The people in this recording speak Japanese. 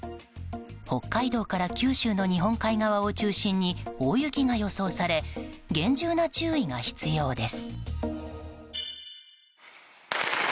北海道から九州の日本海側を中心に大雪が予想され厳重な注意が必要です。